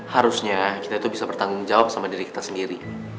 harusnya kita itu bisa bertanggung jawab sama diri kita sendiri